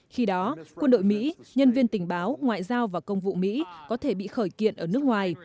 khi đó quân đội mỹ nhân viên tình báo ngoại giao và công vụ mỹ có thể bị khởi kiện ở nước ngoài